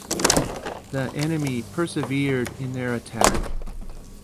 The enemy persevered in their attack.